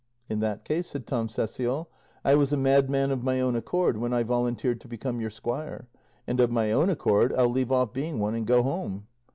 "In that case," said Tom Cecial, "I was a madman of my own accord when I volunteered to become your squire, and, of my own accord, I'll leave off being one and go home."